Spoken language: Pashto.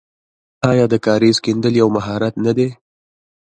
آیا د کاریز کیندل یو مهارت نه دی؟